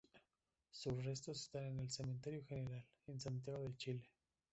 Sus restos están en el Cementerio General, en Santiago de Chile.